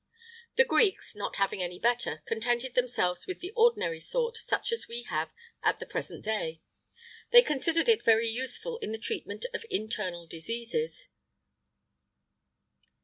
The Greeks, not having any better, contented themselves with the ordinary sort, such as we have at the present day. They considered it very useful in the treatment of internal diseases.